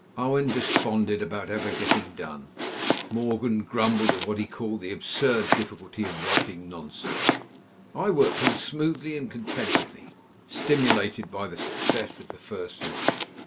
Owen desponded about ever getting done; Morgan grumbled at what he called the absurd difficulty of writing nonsense. I worked on smoothly and contentedly, stimulated by the success of the first night.